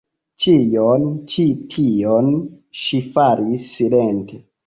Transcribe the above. Ĉion ĉi tion ŝi faris silente.